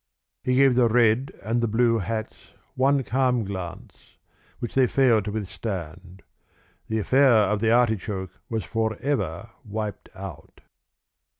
He gave the red and the blue hats one calm glance, which they failed to withstand. The affair of the artichoke was forever wiped out.